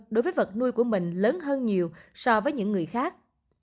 đối với vật nuôi của mình lớn hơn nhiều so với những người khác